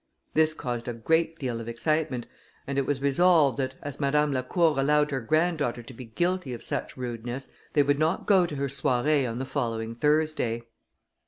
This caused a great deal of excitement, and it was resolved that, as Madame Lacour allowed her granddaughter to be guilty of such rudeness, they would not go to her soirée on the following Thursday.